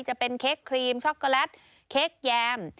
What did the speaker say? จะเป็นเค้กครีมช็อกโกแลตเค้กแยม